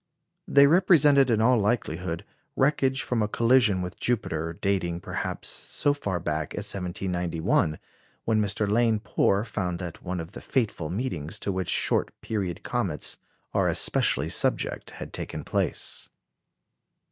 They represented, in all likelihood, wreckage from a collision with Jupiter, dating, perhaps, so far back as 1791, when Mr. Lane Poor found that one of the fateful meetings to which short period comets are especially subject had taken place.